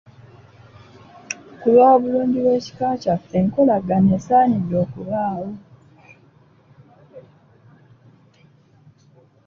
Ku lw'obulungi bw'ekika kyaffe, enkolagana esaanidde okubaawo.